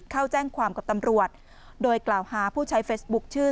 เข้าแจ้งความกับตำรวจโดยกล่าวหาผู้ใช้เฟซบุ๊คชื่อ